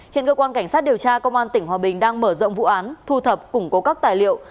hiện cơ quan cảnh sát điều tra công an tỉnh hòa bình đang mở rộng vụ án thu thập củng cố các tài liệu